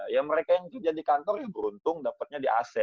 ya mereka yang kerja di kantor ya beruntung dapetnya di ac